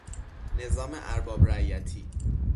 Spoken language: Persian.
نظام ارباب رعیتی